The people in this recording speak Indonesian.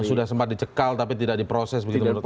sudah sempat dicekal tapi tidak diproses begitu menurut anda